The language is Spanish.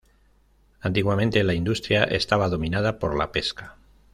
Antiguamente la industria estaba dominada por la pesca.